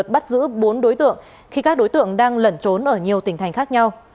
bắt giữ bốn đối tượng khi các đối tượng đang lẩn trốn ở nhiều tỉnh thành khác nhau